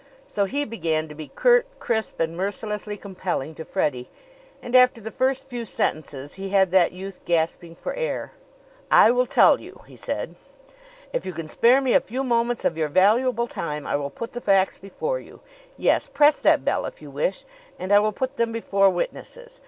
So he began to be curt, crisp and mercilessly compelling to Freddie; and after the first few sentences he had that youth gasping for air. "I will tell you," he said. "If you can spare me a few moments of your valuable time I will put the facts before you. Yes; press that bell if you wish and I will put them before witnesses.